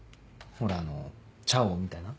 ほらあのチャオみたいな。